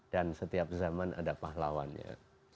dan setiap zaman ada pahlawannya